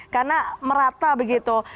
karena merata begitu